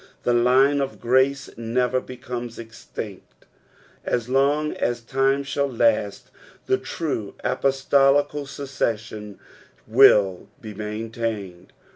The line of grace never becomes extinct. As long as time shall last, the true apostolical succession will be maintained.